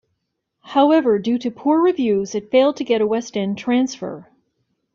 However, due to poor reviews, it failed to get a West End transfer.